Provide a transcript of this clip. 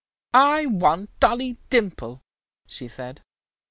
"I want Dolly Dimple," she said.